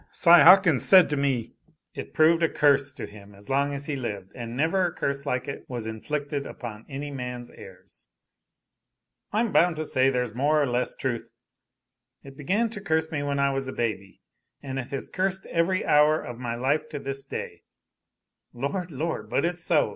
Si Hawkins said to me " "It proved a curse to him as long as he lived, and never a curse like it was inflicted upon any man's heirs " "I'm bound to say there's more or less truth " "It began to curse me when I was a baby, and it has cursed every hour of my life to this day " "Lord, lord, but it's so!